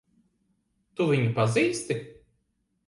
Tu viņu pazīsti?